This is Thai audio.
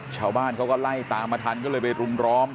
ชาวบ้านเขาก็ไล่ตามมาทันก็เลยไปรุมร้อม